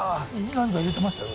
何か入れてましたよ